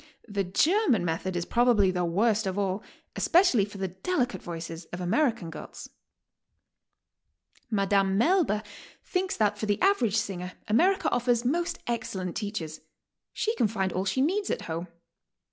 The German method is probably the worst of all, especially for the delicate voices of American girls," HOW TO STAY. 167 Madame Melba thinks that for the average singer Amer ica offers most excellent teachers; she can find all she needs at home.